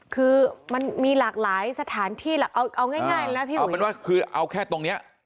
คือมันมีหลากหลายสถานที่เอาง่ายนะพี่อุ๋ยเอาแค่ตรงเนี้ย